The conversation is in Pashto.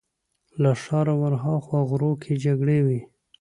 له ښاره ورهاخوا غرو کې جګړې وې.